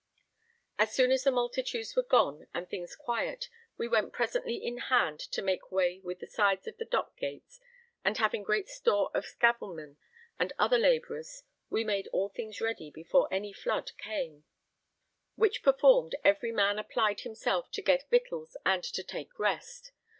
So soon as the multitudes were gone and things quiet, we went presently in hand to make way with the sides of the dock gates, and having great store of scavelmen and other labourers, we made all things ready before any flood came; which performed, every man applied himself to get victuals and to take rest.